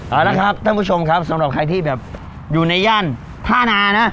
เอาละครับท่านผู้ชมครับสำหรับใครที่แบบอยู่ในย่านท่านานะ